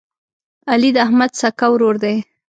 علي د احمد سکه ورور دی.